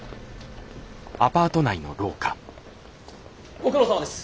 ご苦労さまです。